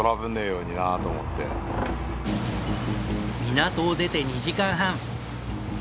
港を出て２時間半。